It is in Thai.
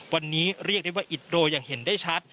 วันนี้เรียกได้ว่าอิดโรยอย่างเห็นได้ชัด